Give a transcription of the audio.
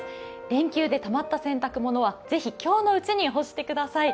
連休でたまった洗濯物はぜひ今日のうちに干してください。